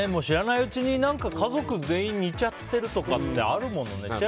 知らないうちに家族全員、似ちゃってるとかってあるものね。